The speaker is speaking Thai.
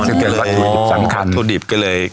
ซึ่งเป็นวัตถุดิบสำคัญถุดิบก็เลย